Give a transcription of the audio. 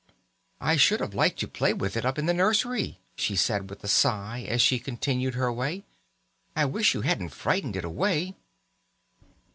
"I should like to have played with it up in the nursery," she said, with a sigh, as she continued her way. "I wish you hadn't frightened it away."